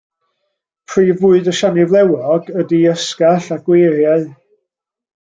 Prif fwyd y siani flewog ydy ysgall a gweiriau.